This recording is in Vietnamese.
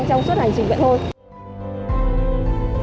trong suốt hành trình vậy thôi